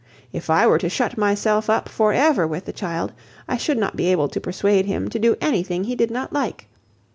If I were to shut myself up for ever with the child, I should not be able to persuade him to do anything he did not like.